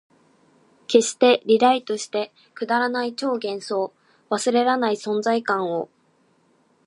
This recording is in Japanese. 消して、リライトして、くだらない超幻想、忘れらない存在感を